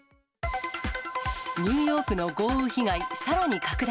ニューヨークの豪雨被害さらに拡大。